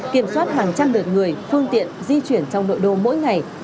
kiểm soát hàng trăm lượt người phương tiện di chuyển trong nội đô mỗi ngày